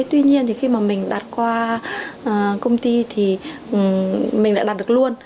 tuy nhiên khi mà mình đặt qua công ty thì mình đã đặt được luôn